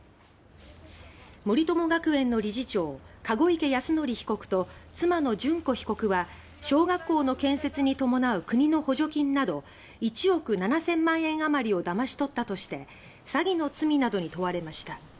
森友学園の理事長籠池泰典被告と妻の諄子被告は小学校の建設に伴う国の補助金など１億７０００万円余りをだましとったとして詐欺の罪などに問われました。